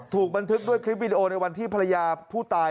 ถูกบันทึกด้วยคลิปวิดีโอในวันที่ภรรยาผู้ตาย